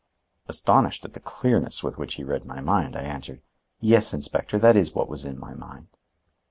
Astonished at the clearness with which he read my mind, I answered: "Yes, Inspector, that is what was in my mind."